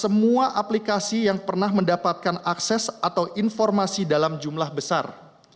kami juga akan mencari tahu bagaimana mereka yang pernah mendapatkan akses atau informasi dalam jumlah besar